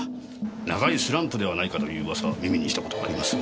長いスランプではないかという噂耳にした事があります。